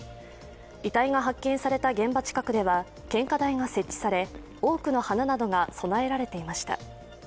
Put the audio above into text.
遺体が発見された現場近くでは献花台が設置され、多くの花などが供えられていました。